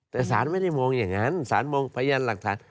แต่สารไม่ได้มองอย่างนั้นสารมองพยานหลักฐาน